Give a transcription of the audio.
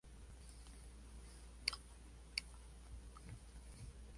Sin embargo el árbol caído y el muñón aún permanece en el lugar.